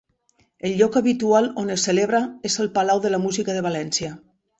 El lloc habitual on se celebra és el Palau de la Música de València.